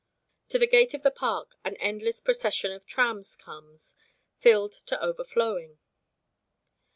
To the gate of the park an endless procession of trams comes, filled to overflowing.